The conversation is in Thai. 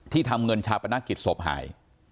ที่ทำเงินชาปนักกิจสบหาย